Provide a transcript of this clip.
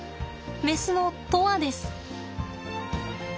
メスの砥愛です。